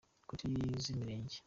kuri z’imirenge